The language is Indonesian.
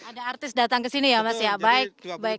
ada artis datang kesini ya mas ya baik